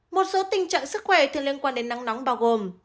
một số tình trạng sức khỏe thường liên quan đến nắng nóng bao gồm